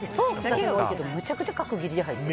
めちゃくちゃ角切りで入ってる。